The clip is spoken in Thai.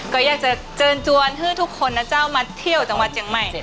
ก็อยากจะเชิญชวนให้ทุกคนนะเจ้ามาเที่ยวจังหวัดเจียงใหม่